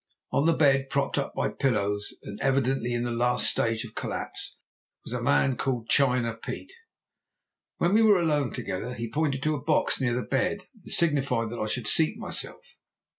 On the bed, propped up by pillows and evidently in the last stage of collapse, was the man called China Pete. When we were alone together he pointed to a box near the bed and signified that I should seat myself.